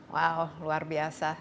wow luar biasa